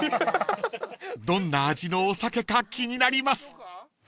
［どんな味のお酒か気になります］